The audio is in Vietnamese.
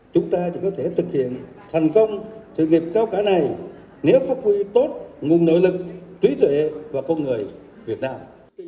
chúng ta chỉ có thể thực hiện thành công sự nghiệp cao cả này nếu phát huy tốt nguồn nội lực trí tuệ và con người việt nam